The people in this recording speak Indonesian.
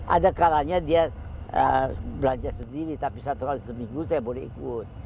ada kalanya dia belanja sendiri tapi satu kali seminggu saya boleh ikut